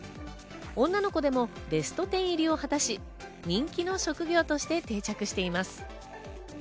女の子でもベスト１０入りを果たし、人気の職業として定着しています。